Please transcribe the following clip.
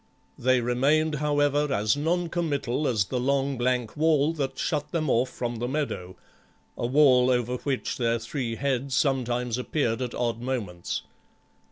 They remained however, as non committal as the long blank wall that shut them off from the meadow, a wall over which their three heads sometimes appeared at odd moments.